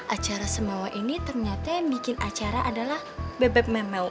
acara semua ini ternyata bikin acara adalah bebek melmel lo